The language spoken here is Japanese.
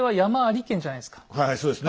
はいはいそうですね。